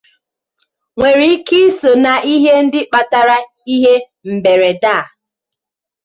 nwere ike iso n’ihe ndị kpatara ihe mberede a